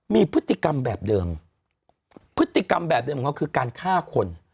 มีพฤติกรรมแบบเดิมพฤติกรรมแบบเดิมของเขาคือการฆ่าคน